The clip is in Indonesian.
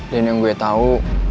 dan yang gue tau